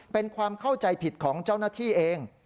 เป็นความเข้าใจผิดของเจ้าหน้าที่เอง